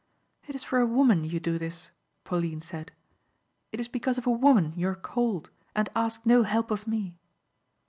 "It is for a woman you do this," Pauline said. "It is because of a woman you are cold and ask no help of me."